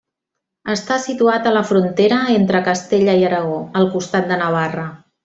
Està situat a la frontera entre Castella i Aragó, al costat de Navarra.